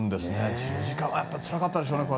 １０時間はつらかったでしょうね。